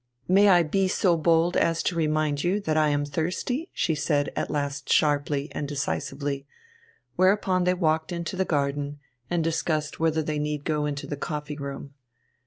"May I be so bold as to remind you that I am thirsty?" she said at last sharply and decisively, whereupon they walked into the garden and discussed whether they need go in to the coffee room.